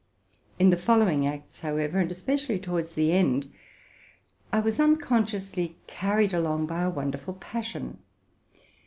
In the following acts, however, and especially towards the end, L was unconsciously carried along by a wonderful passion.